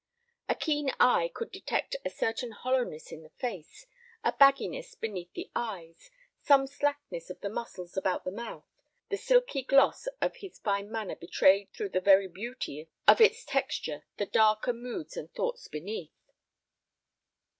A keen eye could detect a certain hollowness in the face, a bagginess beneath the eyes, some slackness of the muscles about the mouth. The silky gloss of his fine manner betrayed through the very beauty of its texture the darker moods and thoughts beneath.